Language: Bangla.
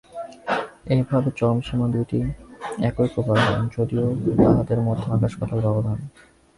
এইভাবে চরমসীমা-দুইটি একই প্রকার হয়, যদিও তাহাদের মধ্যে আকাশ-পাতাল ব্যবধান।